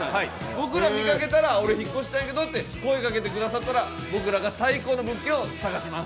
僕ら見かけたら、俺引っ越したいんやけどと声かけてくださったら僕らが最高の物件を探します。